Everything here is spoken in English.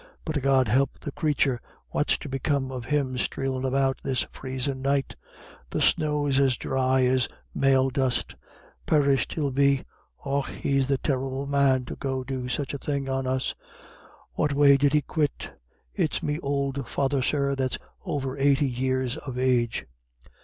"But God help the crathur, what's to become of him streelin' about this freezin' night? The snow's as dhry as mail dust. Perished he'll be. Och, he's the terrible man to go do such a thing on us. What way did he quit? It's me ould father, sir, that's over eighty years of age."